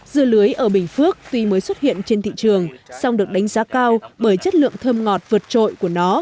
dưa lưới ở bình phước tuy mới xuất hiện trên thị trường song được đánh giá cao bởi chất lượng thơm ngọt vượt trội của nó